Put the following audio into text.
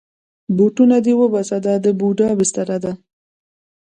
بوټونه دې وباسه، دا د بوډا بستره ده.